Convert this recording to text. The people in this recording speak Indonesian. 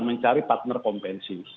mencari partner kompensi